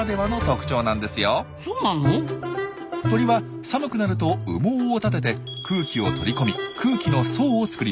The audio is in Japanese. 鳥は寒くなると羽毛を立てて空気を取り込み空気の層を作ります。